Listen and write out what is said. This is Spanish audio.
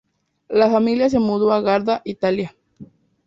La familia se mudó a Garda, Italia.